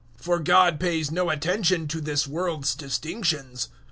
002:011 For God pays no attention to this world's distinctions.